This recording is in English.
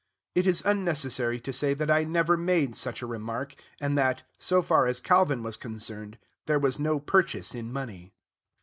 It is unnecessary to say that I never made such a remark, and that, so far as Calvin was concerned, there was no purchase in money.